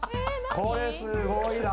これ、すごいな。